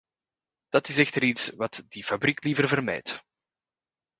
Dat is echter iets wat die fabriek liever vermijdt.